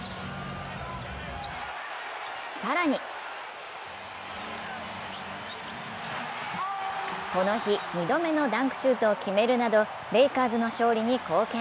更にこの日、２度目のダンクシュートを決めるなどレイカーズの勝利に貢献。